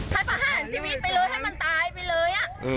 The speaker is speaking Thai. ให้ประหารชีวิตไปเลยให้มันตายไปเลย